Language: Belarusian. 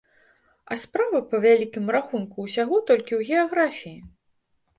А справа, па вялікім рахунку, усяго толькі ў геаграфіі.